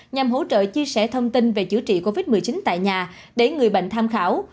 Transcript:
nhằm hỗ trợ chia sẻ thông tin về chữa trị covid một mươi chín tại nhà để người bệnh tham khảo